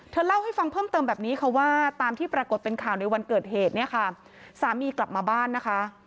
เล่าให้ฟังเพิ่มเติมแบบนี้ค่ะว่าตามที่ปรากฏเป็นข่าวในวันเกิดเหตุเนี่ยค่ะสามีกลับมาบ้านนะคะ